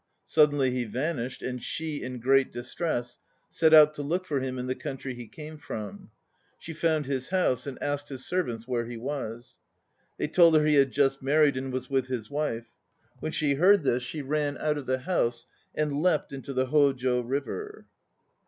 Suddenly he vanished, and she, in great distress, set out to look for him in the country he came from. She found his house, and asked his servants where he was. They told her he had just married and was with his wife. When she heard this she ran out of the house and leapt into the Ho jo River.